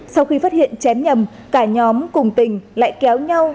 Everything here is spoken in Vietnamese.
sau khi phát hiện chém nhầm cả nhóm cùng tình lại kéo nhau